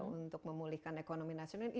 untuk memulihkan ekonomi nasional